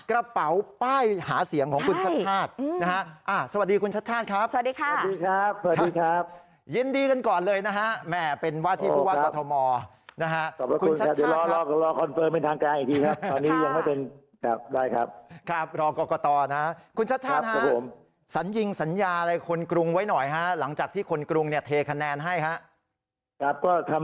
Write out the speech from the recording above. กระเป๋าป้ายหาเสียงของคุณชัชชาตินะฮะอ่าสวัสดีคุณชัชชาติครับ